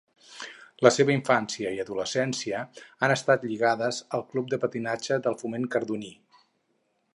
La seva infància i adolescència han estat lligades al Club de Patinatge del Foment Cardoní.